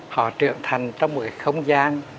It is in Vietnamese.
họ trưởng thành trong một cái không gian